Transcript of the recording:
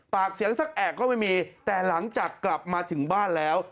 ปากเสียงสักแอกก็ไม่มีแต่หลังจากกลับมาถึงบ้านแล้ว